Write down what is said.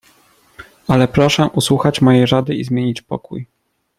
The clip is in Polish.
"Ale proszę usłuchać mojej rady i zmienić pokój."